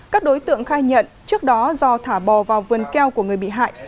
các đối tượng khai nhận trước đó do thả bò vào vườn keo của người bị hại